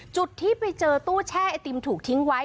จุดที่ไปเจอตู้แช่ไอติมถูกทิ้งไว้